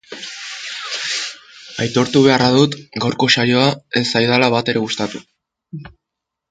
Aitortu beharra dut gaurko saioa ez zaidala batere gustatu.